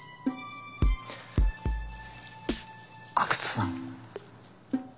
阿久津さん。